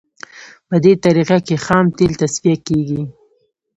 په دې طریقه کې خام تیل تصفیه کیږي